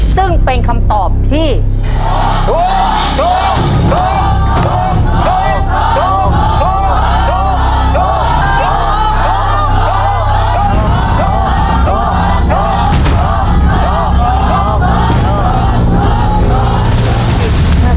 ซึ่งเป็นคำเพราะ